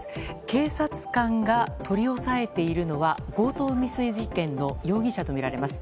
警察官が取り押さえているのは強盗未遂事件の容疑者とみられます。